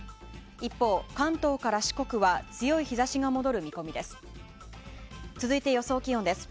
一方、関東から四国は強い日差しが戻る見込みです。